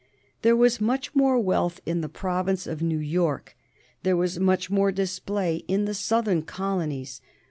There was much more wealth in the province of New York; there was much more display in the southern colonies.